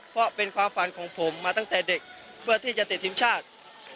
เพราะเป็นความฝันของผมมาตั้งแต่เด็กเพื่อที่จะติดทีมชาติ